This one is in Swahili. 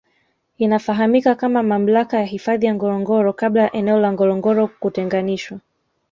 Inafahamika kama mamlaka ya hifadhi ya Ngorongoro kabla ya eneo la Ngorongoro kutenganishwa